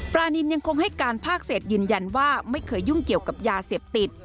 นินยังคงให้การภาคเศษยืนยันว่าไม่เคยยุ่งเกี่ยวกับยาเสพติด